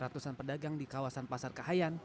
ratusan pedagang di kawasan pasar kahayan